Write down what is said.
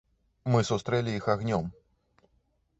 Мы сустрэлі іх агнём.